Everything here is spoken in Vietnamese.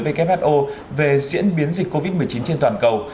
who về diễn biến dịch covid một mươi chín trên toàn cầu